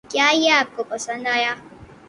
کیا یہ آپ کو پَسند آیا؟